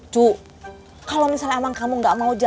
cu kalo misalnya emang kamu gak mau jalan